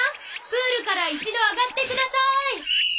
プールから一度上がってください。